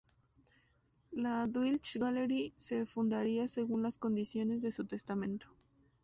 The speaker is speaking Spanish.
La Dulwich Gallery se fundaría según las condiciones de su testamento.